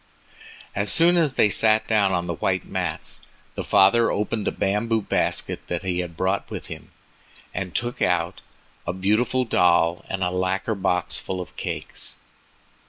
As soon as they had sat down on the white mats, the father opened a bamboo basket that he had brought in with him, and took out a beautiful doll and a lacquer box full of cakes.